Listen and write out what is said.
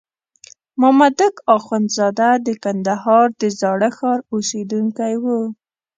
مامدک اخندزاده د کندهار د زاړه ښار اوسېدونکی وو.